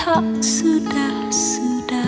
aku mencintai sinta